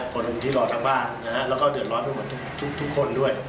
คนหนึ่งที่รอทางบ้านแล้วก็เดือดร้อนไปหมดทุกคนด้วย